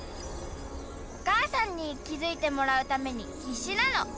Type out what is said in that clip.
おかあさんにきづいてもらうためにひっしなの。